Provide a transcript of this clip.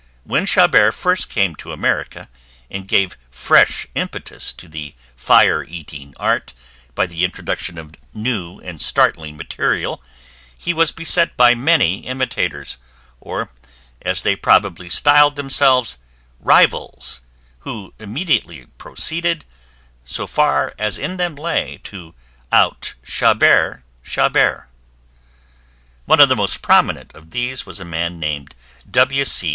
When Chabert first came to America and gave fresh impetus to the fire eating art by the introduction of new and startling material, he was beset by many imitators, or as they probably styled themselves rivals, who immediately proceeded, so far as in them lay, to out Chabert Chabert. One of the most prominent of these was a man named W. C.